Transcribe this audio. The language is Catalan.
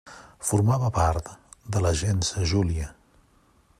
Formava part de la gens Júlia.